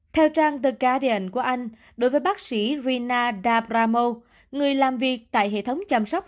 theo trang tekden của anh đối với bác sĩ rina dabramo người làm việc tại hệ thống chăm sóc